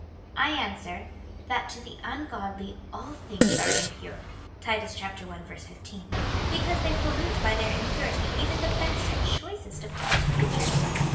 I ansAver, that to the ungodly all things are impm^e, (Tit. i. 15,) because they pollute by their imjjurity even the best and choicest of God's creatures.